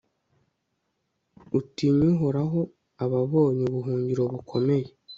utinya uhoraho aba abonye ubuhungiro bukomeye